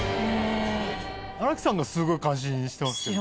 新木さんがすごい感心してますけど。